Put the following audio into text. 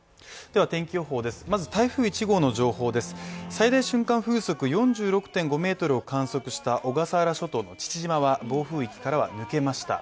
最大瞬間風速４６．５ｍを観測した小笠原諸島の父島は暴風域から抜けました。